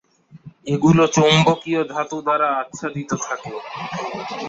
এগুলো চৌম্বকীয় ধাতু দিয়ে আচ্ছাদিত থাকে।